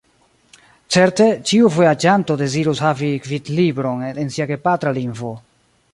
Certe, ĉiu vojaĝanto dezirus havi gvidlibron en sia gepatra lingvo.